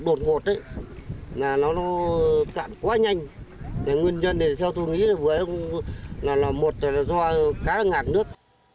đột ngột ấy nó cạn quá nhanh nguyên nhân theo tôi nghĩ là một là do cá ngạt nước